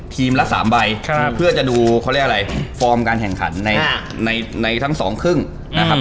ละ๓ใบเพื่อจะดูเขาเรียกอะไรฟอร์มการแข่งขันในในทั้งสองครึ่งนะครับ